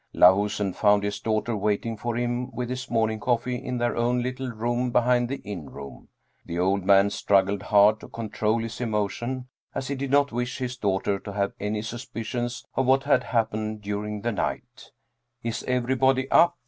Lahusen found his daughter waiting for him with his morning coffee in their own little room behind the inn room. The old man struggled hard to control his emotion, as he did not wish his daughter to have any suspicions of what had happened during the night " Is everybody up